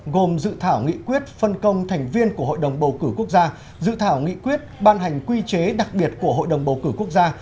gồm dự thảo nghị quyết phân công thành viên của hội đồng bầu cử quốc gia dự thảo nghị quyết ban hành quy chế đặc biệt của hội đồng bầu cử quốc gia